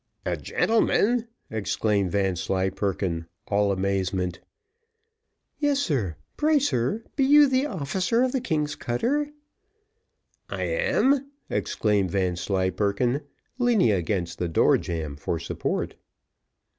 "A gentleman!" exclaimed Vanslyperken, all amazement. "Yes, sir; pray, sir, be you the officer of the king's cutter?" "I am!" exclaimed Vanslyperken, leaning against the door jamb for support.